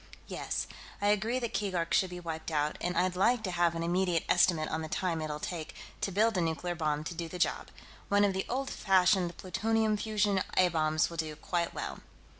"Yes. I agree that Keegark should be wiped out, and I'd like to have an immediate estimate on the time it'll take to build a nuclear bomb to do the job. One of the old fashioned plutonium fission A bombs will do quite well."